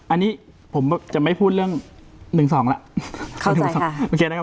อันนี้ผมจะไม่พูดเรื่องหนึ่งสองล่ะเข้าใจค่ะโอเคนะครับ